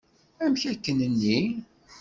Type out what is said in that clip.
Amek akken-nni?